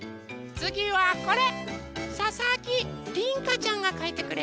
つぎはこれ。